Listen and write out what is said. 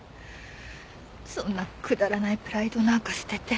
そんなくだらないプライドなんか捨てて。